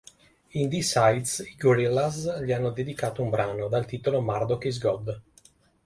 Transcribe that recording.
In "D-Sides", i Gorillaz gli hanno dedicato un brano, dal titolo "Murdoc is God".